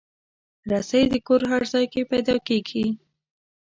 رسۍ د کور هر ځای کې پیدا کېږي.